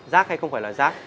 rác hay không phải là rác